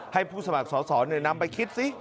ผู้สมัครสอสอนำไปคิดสิ